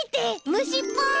むしっぽい！